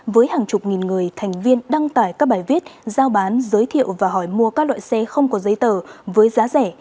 với hàng chục nghìn người thành viên đăng tải các bài viết giao bán giới thiệu và hỏi mua các loại xe không có giấy tờ với giá rẻ